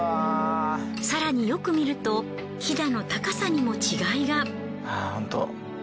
更によく見るとヒダの高さにも違いが。